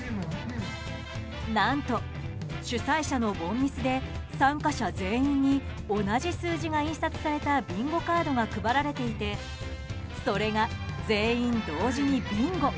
何と主催者の凡ミスで参加者全員に同じ数字が印刷されたビンゴカードが配られていてそれが全員同時にビンゴ。